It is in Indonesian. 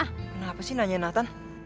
kenapa sih nanya nathan